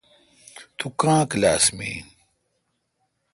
توکاں کلاس می این۔